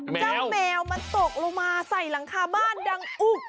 แมวมันตกลงมาใส่หลังคาบ้านดังอุ๊ก